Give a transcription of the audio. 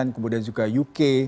kemudian juga uk